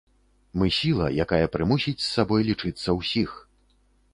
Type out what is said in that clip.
Мы сіла, якая прымусіць з сабой лічыцца ўсіх.